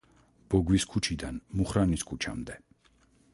ბოგვის ქუჩიდან მუხრანის ქუჩამდე.